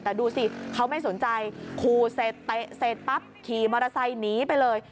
แต่ดูสิเขาไม่สนใจขู่เสร็จเตะเสร็จปั๊บขี่มอเตอร์ไซค์หนีไปเลย